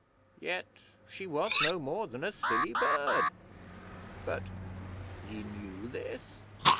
Yet she was no more than a silly bird. But ye knew this?'